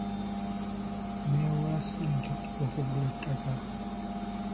Neewola ssente okugula ettaka.